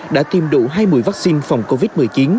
đã tiêm đủ hai mũi vắc xin phòng covid một mươi chín